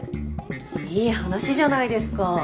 いい話じゃないですか。